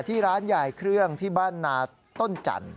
ที่ร้านใหญ่เครื่องที่บ้านนาต้นจันทร์